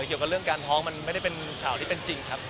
เกี่ยวกับเรื่องการท้องมันไม่ได้เป็นข่าวที่เป็นจริงครับ